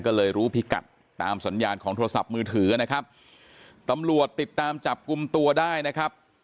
ก็เลยรู้พิกัดตามสัญญาณของโทรศัพท์มือถือนะครับตำรวจติดตามจับกลุ่มตัวได้นะครับ